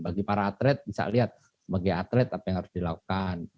bagi para atlet bisa lihat sebagai atlet apa yang harus dilakukan